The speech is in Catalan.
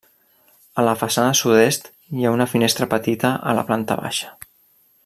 A la façana sud-est, hi ha una finestra petita a la planta baixa.